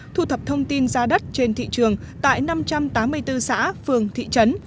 thu thập thông tin giá đất trên thị trường tại năm trăm tám mươi bốn xã phường thị trấn